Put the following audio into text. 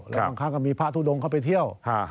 แล้วบางครั้งก็มีพระทุดงเข้าไปเที่ยว